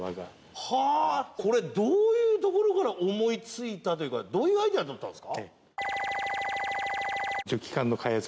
これどういうところから思い付いたというかどういうアイデアだったんですか？になりました。